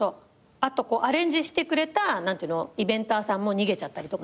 あとアレンジしてくれたイベンターさんも逃げちゃったりとかね。